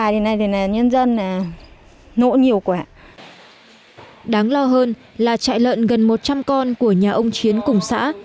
đáng lo hơn là trại lợn gần một trăm linh con của nhà ông chiến cùng xã